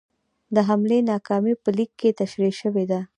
د حملې ناکامي په لیک کې تشرېح شوې ده.